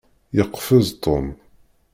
Yeqfez Tom.